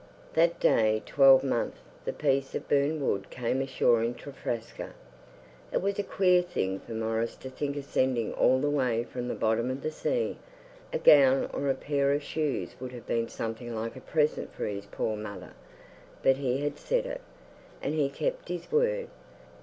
That day twelvemonth the piece of burned wood came ashore in Trafraska. It was a queer thing for Maurice to think of sending all the way from the bottom of the sea. A gown or a pair of shoes would have been something like a present for his poor mother; but he had said it, and he kept his word.